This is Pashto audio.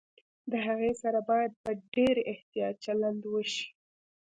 د هغې سره باید په ډېر احتياط چلند وشي